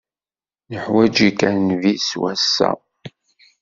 Neḥwaǧ-ik a nnbi s wass-a!